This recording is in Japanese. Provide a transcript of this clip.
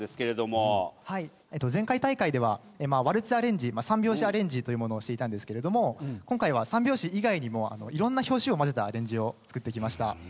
前回大会ではワルツアレンジ３拍子アレンジというものをしていたんですけれども今回は３拍子以外にもいろんな拍子を交ぜたアレンジを作ってきました。